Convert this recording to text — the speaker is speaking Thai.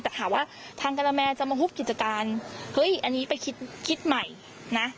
แต่ถามว่าทางการาแมนจะมาหุบกิจการเฮ้ยอันนี้ไปคิดคิดใหม่นะ